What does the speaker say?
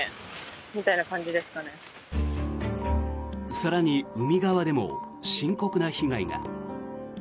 更に、海側でも深刻な被害が。